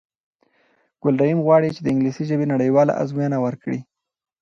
ګل رحیم غواړی چې د انګلیسی ژبی نړېواله آزموینه ورکړی